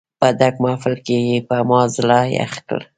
په ډک محفل کې یې په ما زړه یخ کړ.